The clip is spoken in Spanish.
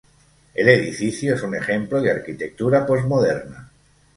El edificio es un ejemplo de arquitectura postmoderna.